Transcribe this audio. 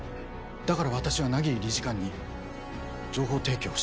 だから私は百鬼理事官に情報提供をしていたんです。